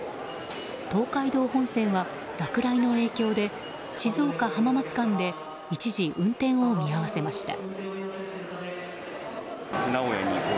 東海道本線は落雷の影響で静岡浜松間で一時、運転を見合わせました。